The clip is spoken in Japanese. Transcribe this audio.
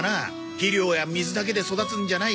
肥料や水だけで育つんじゃない。